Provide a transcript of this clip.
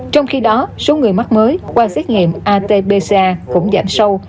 trong khi đó số người mắc mới qua xét nghiệm atbc cũng giảm sâu